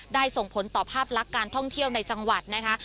ส่งผลต่อภาพลักษณ์การท่องเที่ยวในจังหวัดนะคะ